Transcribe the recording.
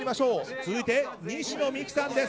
続いては、西野未姫さんです。